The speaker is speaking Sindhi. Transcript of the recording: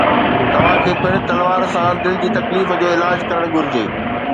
توهان کي پڻ تلوار سان دل جي تڪليف جو علاج ڪرڻ گهرجي